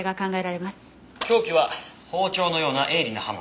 凶器は包丁のような鋭利な刃物。